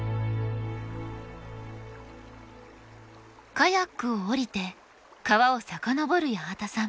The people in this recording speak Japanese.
カヤックを降りて川を遡る八幡さん。